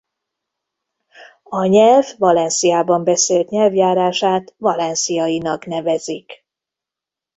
A nyelv Valenciában beszélt nyelvjárását valenciainak nevezik.